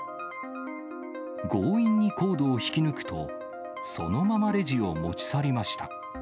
強引にコードを引き抜くと、そのままレジを持ち去りました。